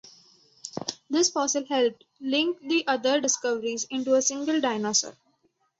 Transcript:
This fossil helped link the other discoveries into a single dinosaur.